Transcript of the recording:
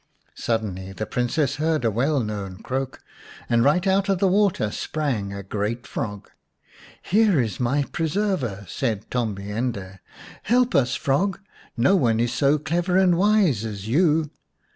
Suddenly the Princess heard a well known croak, and right out of the water sprang a great frog. " There is my preserver," said Tombi ende. " Help us, frog ! No one is so clever and wise as you